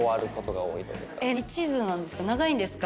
一途なんですか？